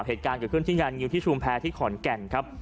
เหตุการณ์เกิดขึ้นที่งานงิวที่ชุมแพรที่ขอนแก่นครับ